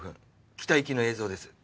北行きの映像です。